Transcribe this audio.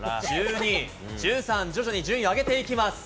１２、１３、徐々に順位を上げていきます。